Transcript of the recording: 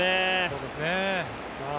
そうですね。